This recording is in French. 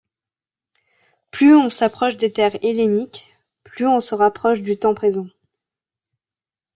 Plus on s'approche des terres helléniques, plus on se rapproche du temps présent.